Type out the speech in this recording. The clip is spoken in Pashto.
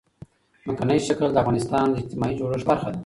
ځمکنی شکل د افغانستان د اجتماعي جوړښت برخه ده.